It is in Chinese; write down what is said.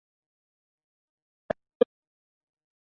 双尖艾普蛛为跳蛛科艾普蛛属的动物。